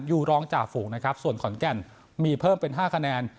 ยูรองจ่าฝูงนะครับส่วนขอนแก่นมีเพิ่มเป็น๕คะแนน